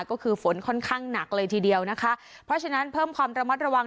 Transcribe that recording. ก็คือฝนค่อนข้างหนักเลยทีเดียวนะคะเพราะฉะนั้นเพิ่มความระมัดระวัง